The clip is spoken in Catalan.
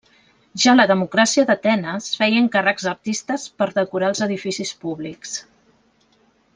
Ja la democràcia d'Atenes feia encàrrecs a artistes per decorar els edificis públics.